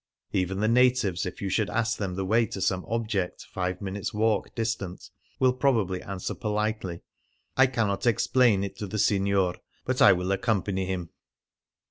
Even the natives, if you should ask them the way to some object five minutes' walk distant, will probably answer politely: "I cannot explain it to the signor, but I will accompany him."